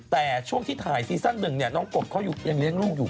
แต่ช่วงที่ถ่ายซีซั่นหนึ่งเนี่ยน้องกบเขายังเลี้ยงลูกอยู่